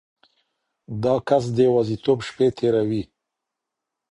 دا کس د یوازیتوب شپې تیروي.